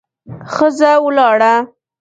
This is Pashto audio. ښځه ولاړه.